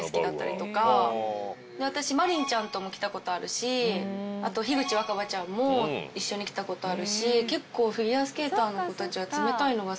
私真凜ちゃんとも来たことあるしあと樋口新葉ちゃんも一緒に来たことあるし結構。